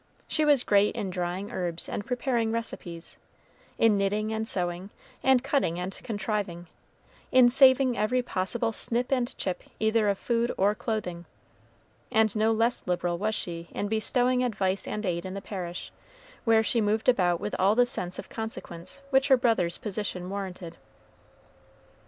She was great in drying herbs and preparing recipes; in knitting and sewing, and cutting and contriving; in saving every possible snip and chip either of food or clothing; and no less liberal was she in bestowing advice and aid in the parish, where she moved about with all the sense of consequence which her brother's position warranted.